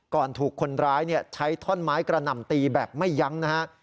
ถูกคนร้ายใช้ท่อนไม้กระหน่ำตีแบบไม่ยั้งนะฮะ